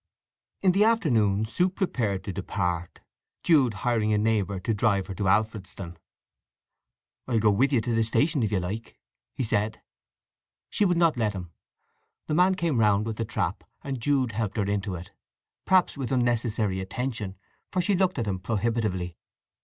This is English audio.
In the afternoon Sue prepared to depart, Jude hiring a neighbour to drive her to Alfredston. "I'll go with you to the station, if you'd like?" he said. She would not let him. The man came round with the trap, and Jude helped her into it, perhaps with unnecessary attention, for she looked at him prohibitively.